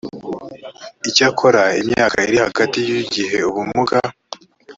icyakora imyaka iri hagati y igihe ubumuga